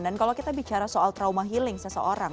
dan kalau kita bicara soal trauma healing seseorang